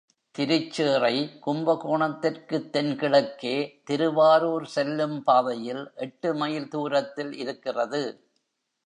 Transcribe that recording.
திருச்சேறை கும்பகோணத்துக்குத் தென்கிழக்கே திருவாரூர் செல்லும் பாதையில் எட்டு மைல் தூரத்தில் இருக்கிறது.